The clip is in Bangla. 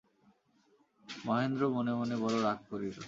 মহেন্দ্র মনে মনে বড়ো রাগ করিল।